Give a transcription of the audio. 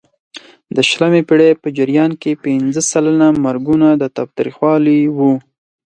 د شلمې پېړۍ په جریان کې پینځه سلنه مرګونه د تاوتریخوالي وو.